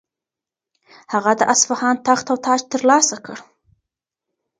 هغه د اصفهان تخت او تاج ترلاسه کړ.